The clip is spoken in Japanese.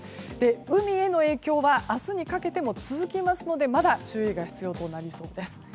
海への影響は明日にかけても続きますのでまだ注意が必要となりそうです。